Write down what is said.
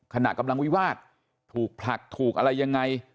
ขณะกำลังวิวาสถูกผลักถูกอะไรยังไง